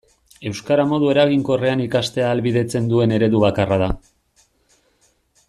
Euskara modu eraginkorrean ikastea ahalbidetzen duen eredu bakarra da.